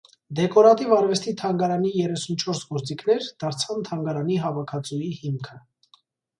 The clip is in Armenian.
Դեկորատիվ արվեստի թանգարանի երեսունչորս գործիքներ դարձան թանգարանի հավաքածուի հիմքը։